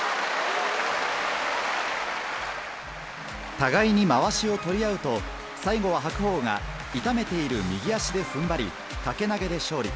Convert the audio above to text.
互いにまわしを取り合うと、最後は白鵬が痛めている右足でふんばり、掛け投げで勝利。